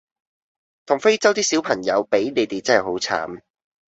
同非洲啲小朋友比你哋真係好慘